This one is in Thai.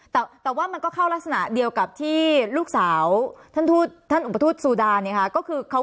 แต่ว่ามันก็เข้ารักษณะเดียวกับที่ลูกสาวท่านทูตท่านอุปทูตซูดาเนี่ยค่ะ